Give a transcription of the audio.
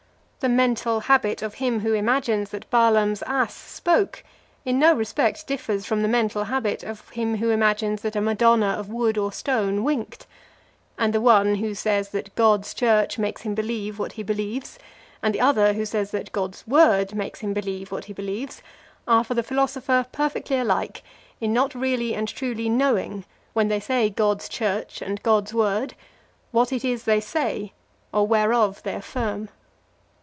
The mental habit of him who imagines that Balaam's ass spoke, in no respect differs from the mental habit of him who imagines that a Madonna of wood or stone winked; and the one, who says that God's Church makes him believe what he believes, and the other, who says that God's Word makes him believe what he believes, are for the philosopher perfectly alike in not really and truly knowing, when they say God's Church and God's Word, what it is they say, or whereof they affirm.